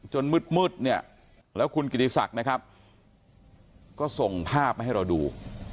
มืดเนี่ยแล้วคุณกิติศักดิ์นะครับก็ส่งภาพมาให้เราดู